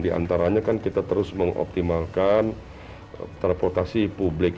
di antaranya kan kita terus mengoptimalkan transportasi publik